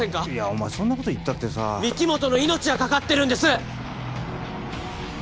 お前そんなこと言ったってさ御木本の命がかかってるんです！